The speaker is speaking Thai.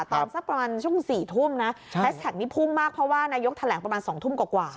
ตอนสักประมาณช่วง๔ทุ่มนะแฮชแท็กนี้พุ่งมากเพราะว่านายกแถลงประมาณ๒ทุ่มกว่า